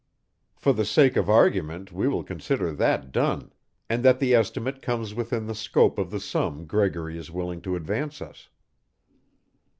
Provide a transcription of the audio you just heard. "For the sake of argument we will consider that done, and that the estimate comes within the scope of the sum Gregory is willing to advance us."